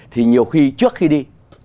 thì nhiều khi trước khi đi